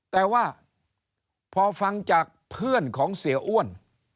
แต่ว่าพอฟังจากเพื่อนของเสียอ้วน